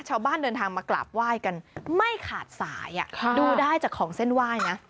ชาวบ้านเดินทางมากราบไหว้กันไม่ขาดสายดูได้จากของเส้นไหว้นะ